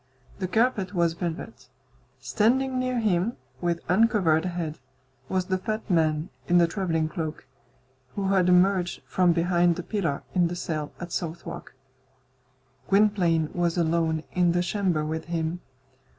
The carpet was velvet. Standing near him, with uncovered head, was the fat man in the travelling cloak, who had emerged from behind the pillar in the cell at Southwark. Gwynplaine was alone in the chamber with him.